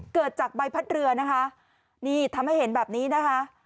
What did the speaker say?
เกิดจากใบพัดเรือนะคะนี่ทำให้เห็นแบบนี้นะคะ